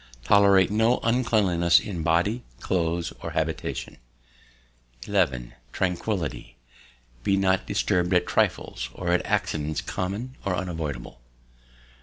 Tolerate no uncleanliness in body, cloaths, or habitation. 11. Tranquillity. Be not disturbed at trifles, or at accidents common or unavoidable.